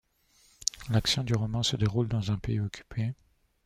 L'action du roman se déroule dans un pays occupé.